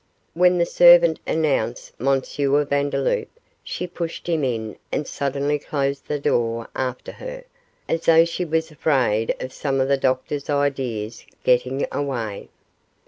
When the servant announced M. Vandeloup, she pushed him in and suddenly closed the door after her, as though she was afraid of some of the doctor's ideas getting away.